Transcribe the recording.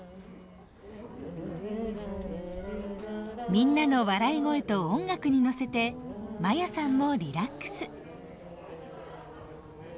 みんなの笑い声と音楽にのせてまやさんもリラックス。